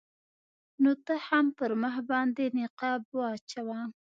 نو ته هم پر مخ باندې نقاب واچوه.